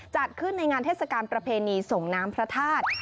จัดขึ้นในงานเทศกาลประเพณีส่งน้ำพระธาตุ